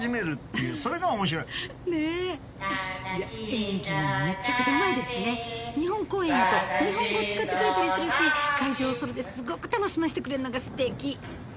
演技もめっちゃくちゃうまいですしね日本公演やと日本語使ってくれたりするし会場をそれですごく楽しましてくれんのがすてき。